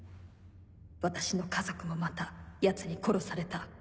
私の家族もまたヤツに殺された。